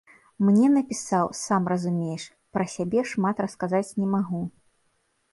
Мне напісаў, сам разумееш, пра сабе шмат расказаць не магу.